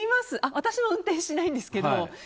私も運転しないんですけど。